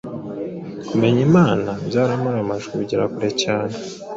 Kumenya Imana byaramamajwe bigera kure cyane